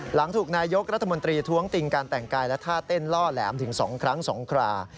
หลังถูกนายกรัฐมนตรีท้วงติงการแต่งกายและท่าเต้นล่อแหลมถึง๒ครั้ง๒ครา